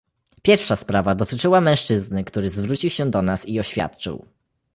Pierwsza sprawa dotyczyła mężczyzny, który zwrócił się do nas i oświadczył